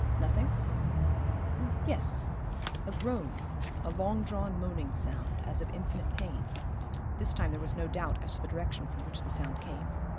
Nothing? Yes, a groan, a long drawn moaning sound, as of infinite pain. This time there was no doubt as to the direction from which the sound came.